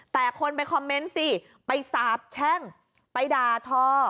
แต่คนไปคอมเมนต์สิไปสาบแช่งไปด่าทอ